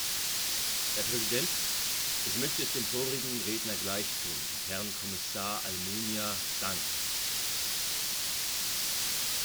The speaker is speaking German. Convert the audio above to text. Herr Präsident, ich möchte es dem vorigen Redner gleichtun und Herrn Kommissar Almunia danken.